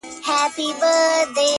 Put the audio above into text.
څو؛ د ژوند په دې زوال کي کړې بدل _